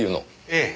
ええ。